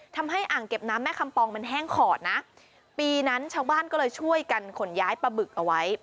อ่างเก็บน้ำแม่คำปองมันแห้งขอดนะปีนั้นชาวบ้านก็เลยช่วยกันขนย้ายปลาบึกเอาไว้